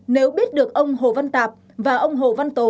nếu biết được ông hồ văn tạp và ông hồ văn tố